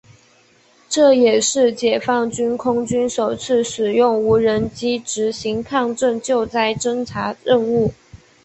这也是解放军空军首次使用无人机执行抗震救灾侦察任务。